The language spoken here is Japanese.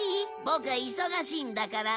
ボクは忙しいんだから。